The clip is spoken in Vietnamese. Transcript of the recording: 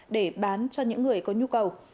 để bán cho những người có nhu cầu